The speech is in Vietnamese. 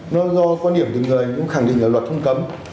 nó do quan điểm thì người cũng khẳng định là luật không cấm